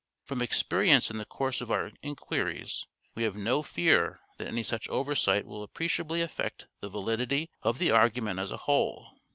From experience in the course of our enquiries we have no fear that any such oversight will appreci ably affect the validity of the argument as a whole.